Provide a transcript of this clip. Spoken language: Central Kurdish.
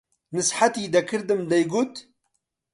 نسحەتی دەکردم دەیگوت: